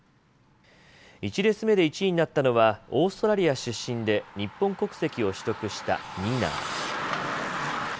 １レース目で１位になったのはオーストラリア出身で日本国籍を取得したニナー。